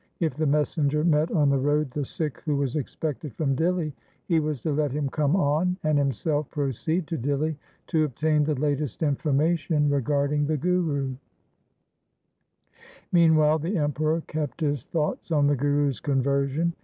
If the messenger met on the road the Sikh who was expected from Dihli, he was to let him come on, and himself proceed to Dihli to obtain the latest informa tion regarding the Guru. Meanwhile the Emperor kept his thoughts on the Guru's conversion.